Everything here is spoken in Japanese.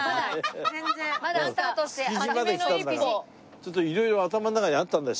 ちょっと色々頭の中にあったんだよ。